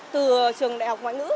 từ trường đại học ngoại ngữ